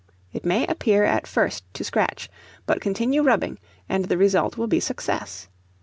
It may appear at first to scratch, but continue rubbing, and the result will be success.